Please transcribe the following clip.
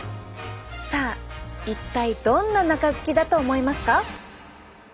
さあ一体どんな中敷きだと思いますか？